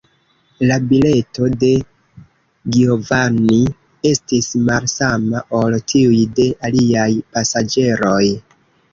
La bileto de Giovanni estis malsama ol tiuj de aliaj pasaĝeroj.